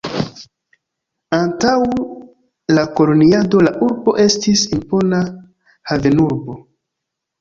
Antaŭ la koloniado la urbo estis impona havenurbo.